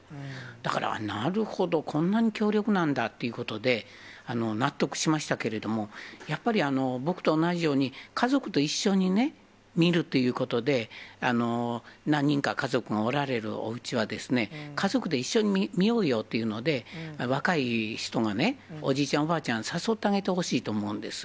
だから、なるほど、こんなに強力なんだっていうことで、納得しましたけれども、やっぱり僕と同じように、家族と一緒に見るということで、何人か家族がおられるおうちは、家族で一緒に見ようよというので、若い人がね、おじいちゃん、おばあちゃん、誘ってあげてほしいと思うんです。